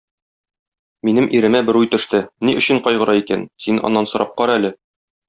Минем иремә бер уй төште, ни өчен кайгыра икән, син аннан сорап кара әле.